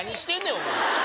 お前。